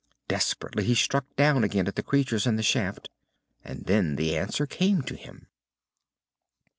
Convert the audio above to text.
Desperately, he struck down again at the creatures in the shaft, and then the answer came to him.